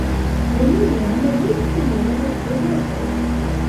Neniam mi tion forgesos!